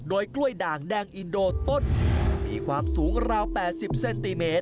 โดยกล้วยด่างแดงอินโดต้นมีความสูงราว๘๐เซนติเมตร